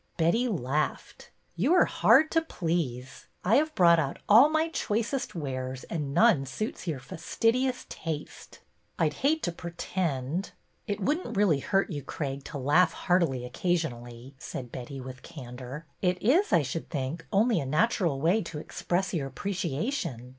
Betty laughed. '' You are hard to please. I have brought out all my choicest wares and none suits your fastidious taste." I 'd hate to pretend." '' It would n't really hurt you, Craig, to laugh heartily occasionally," said Betty, with candor. It is, I should think, only a natural way to express your appreciation.